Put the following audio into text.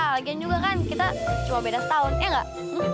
lagian juga kan kita cuma beda setahun ya gak